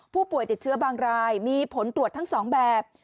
ผู้ป่วยติดเชื้อบางรายมีผลตรวจทั้ง๒แบบ